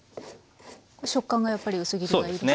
食感がやっぱり薄切りがいいですか？